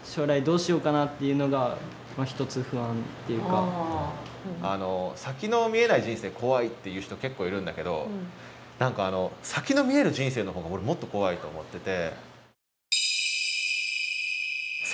僕あの先の見えない人生怖いっていう人結構いるんだけど何かあの先の見える人生のほうが俺もっと怖いと思ってて。